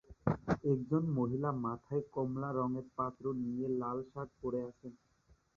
একজন মহিলা মাথায় কমলা রঙের পাত্র নিয়ে লাল শার্ট পরে আছেন।